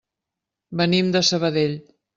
Venim de Sabadell.